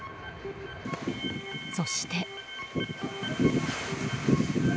そして。